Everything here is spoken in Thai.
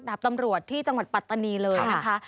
ตำรวจที่จังหวัดปัตตานีเลยนะคะ